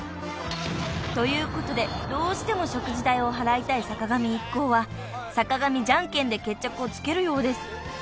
［ということでどうしても食事代を払いたい坂上一行は坂上じゃんけんで決着をつけるようです］